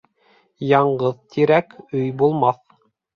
Яңғыҙ тирәк өй булмаҫ